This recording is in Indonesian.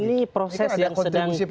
ini proses yang sedang kita lakukan